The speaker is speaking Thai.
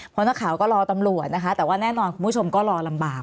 เพราะนักข่าวก็รอตำรวจนะคะแต่ว่าแน่นอนคุณผู้ชมก็รอลำบาก